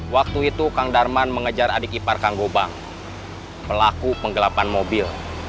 waktu itu kang darman mengejar adik ipar kang gobang pelaku penggelapan mobil